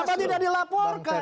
kenapa tidak dilaporkan